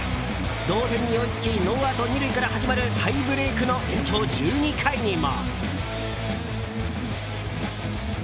同点に追いつきノーアウト２塁から始まるタイブレークの延長１２回にも。